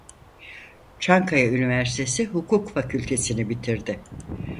Çankaya Üniversitesi Hukuk Fakültesi'ni bitirdi.